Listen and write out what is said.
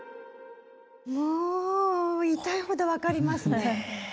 もう痛いほど分かりますね。